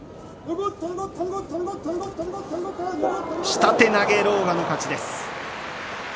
下手投げ、狼雅の勝ち。